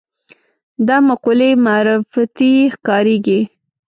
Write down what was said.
دا مقولې معرفتي ښکارېږي